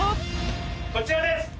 こちらです。